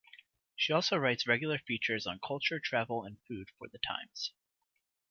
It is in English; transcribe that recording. She also writes regular features on culture, travel and food for "The Times".